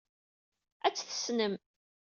Ad t-tessnem.